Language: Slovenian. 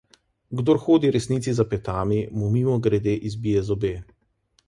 Kdor hodi resnici za petami, mu mimogrede izbije zobe.